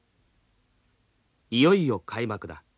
「いよいよ開幕だ！